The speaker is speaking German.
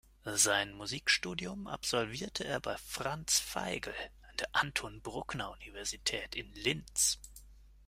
Sein Musikstudium absolvierte er bei Franz Veigl an der Anton Bruckner Universität in Linz.